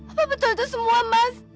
apa betul itu semua mas